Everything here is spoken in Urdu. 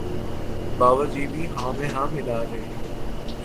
بابا جی بھی ہاں میں ہاں ملا رہے